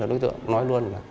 đối tượng nói luôn là